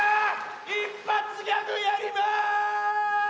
一発ギャグやります！